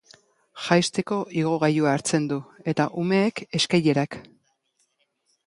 Jaisteko igogailua hartzen du eta umeek eskailerak.